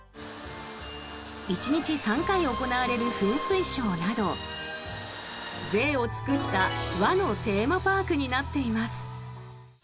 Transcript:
１日３回行われる噴水ショーなどぜいを尽くした和のテーマパークになっています。